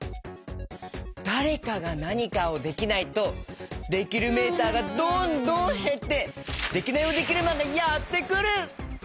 だれかがなにかをできないとできるメーターがどんどんへってデキナイヲデキルマンがやってくる！